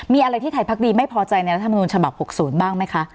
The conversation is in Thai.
มีอะไรที่ไทยพักดีไม่พอใจในรัฐมนุนฉบับ๖๐บ้างไหมคะ